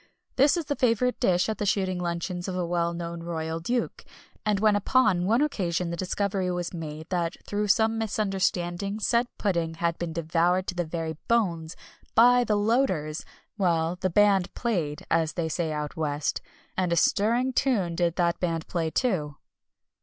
This is the favourite dish at the shooting luncheons of a well known Royal Duke, and when upon one occasion the discovery was made that through some misunderstanding said pudding had been devoured to the very bones, by the loaders, the well, "the band played," as they say out West. And a stirring tune did that band play too.